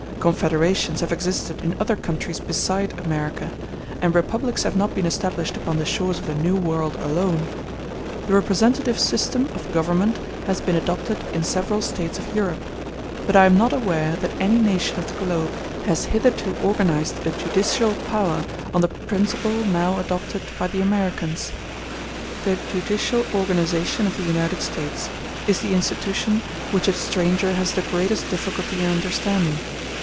Confederations have existed in other countries beside America, and republics have not been established upon the shores of the New World alone; the representative system of government has been adopted in several States of Europe, but I am not aware that any nation of the globe has hitherto organized a judicial power on the principle now adopted by the Americans. The judicial organization of the United States is the institution which a stranger has the greatest difficulty in understanding.